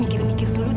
mikir mikir dulu deh